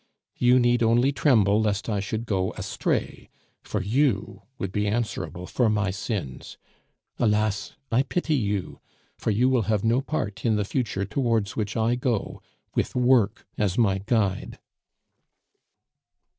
You need only tremble lest I should go astray; for you would be answerable for my sins. Alas! I pity you, for you will have no part in the future towards which I go, with work as my guide."